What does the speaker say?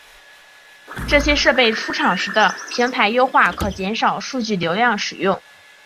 这些设备出厂时的平台优化可减少数据流量使用。